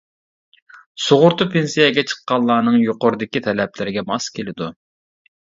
سۇغۇرتا پېنسىيەگە چىققانلارنىڭ يۇقىرىدىكى تەلەپلىرىگە ماس كېلىدۇ.